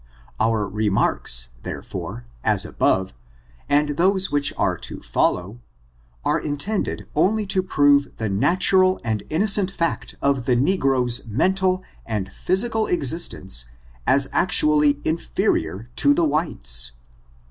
Our remarks, therefore, as above, and those which are to follow, are intended only to prove the natural and innocent fact of the ne groes' mental and physical existence as actually in ferior to the whites.